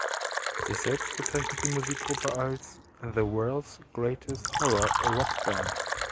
Sich selbst bezeichnet die Musikgruppe als "„The World's Greatest Horror Rock Band“".